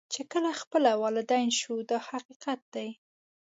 چې کله خپله والدین شو دا حقیقت دی.